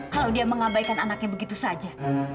kalau dia mengabaikan anaknya begitu saja